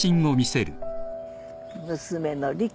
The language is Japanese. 娘の里香。